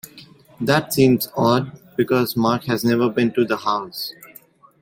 That seems odd because Mark has never been to the house.